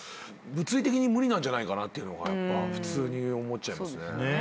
物理的に無理なんじゃないかなって普通に思っちゃいますね。